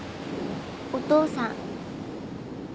お父さん。